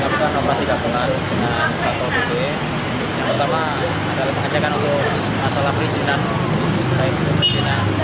nah kantor pp yang pertama adalah mengejarkan untuk masalah perizinan